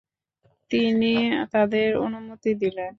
তিনি তাঁদের অনুমতি দিলেন।